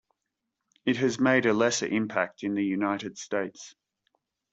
It has made a lesser impact in the United States.